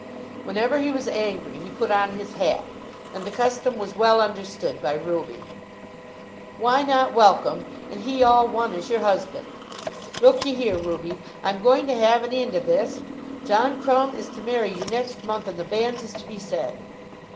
Whenever he was angry he put on his hat, and the custom was well understood by Ruby. "Why not welcome, and he all one as your husband? Look ye here, Ruby, I'm going to have an eend o' this. John Crumb is to marry you next month, and the banns is to be said."